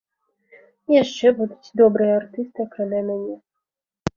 І яшчэ будуць добрыя артысты акрамя мяне.